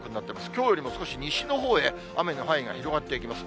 きょうよりも少し西のほうへ、雨の範囲が広がっていきます。